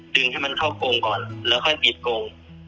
ดึงให้มันเข้าโกงก่อนแล้วค่อยปิดโกง